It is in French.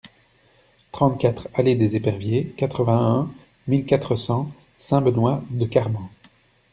trente-quatre allée des Eperviers, quatre-vingt-un mille quatre cents Saint-Benoît-de-Carmaux